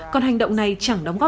còn hành động này chẳng đóng tài khoản